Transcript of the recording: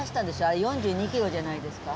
あれ４２キロじゃないですか？